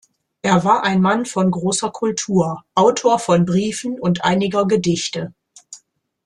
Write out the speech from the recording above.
Er war ein Mann von großer Kultur, Autor von Briefen und einiger Gedichte.